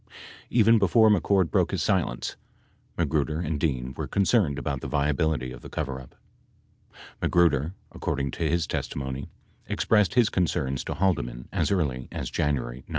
Even before Mc Cord broke his silence, Magruder and Dean were concerned about the viability of the coverup. Magruder, according to his testimony, ex pressed his concerns to Haldeman as early as January 1973, and to 43 Id.